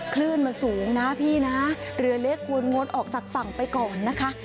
คลื่นมันสูงนะพี่นะเรือเล็กควรงดออกจากฝั่งไปก่อนนะคะ